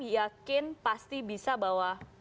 yakin pasti bisa bahwa